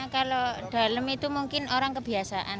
kalau dalam itu mungkin orang kebiasaan